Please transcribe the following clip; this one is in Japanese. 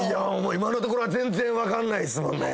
今のところは全然分かんないっすもんね。